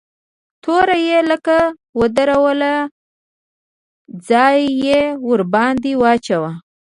توره يې لکه ودروله ځان يې ورباندې واچاوه.